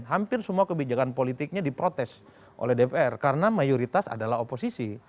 hampir semua kebijakan politiknya diprotes oleh dpr karena mayoritas adalah oposisi